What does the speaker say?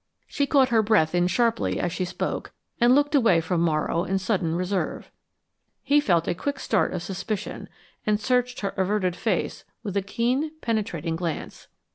She caught her breath in sharply as she spoke, and looked away from Morrow in sudden reserve. He felt a quick start of suspicion, and searched her averted face with a keen, penetrating glance.